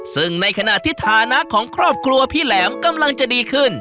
ซึ่งในขณะที่ฐานะของครอบครัวพี่แหลมกำลังจะดีขึ้น